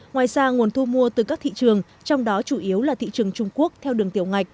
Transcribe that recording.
ngoài ra nguồn thu mua từ các thị trường trong đó chủ yếu là thị trường trung quốc theo đường tiểu ngạch